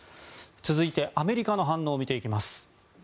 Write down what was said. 続いてアメリカの反応を見ていきます。